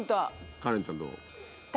カレンちゃんどう思った？